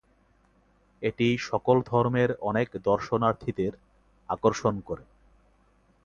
এটি সকল ধর্মের অনেক দর্শনার্থীদের আকর্ষণ করে।